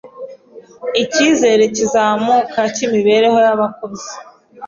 icyizere cy’izamuka ry’imibereho y’abakozi